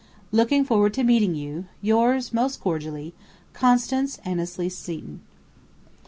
Looking forward to meeting you, Yours most cordially, Constance Annesley Seton.